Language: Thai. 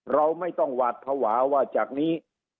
เราไม่ต้องหวาดภาวะว่าจากนี้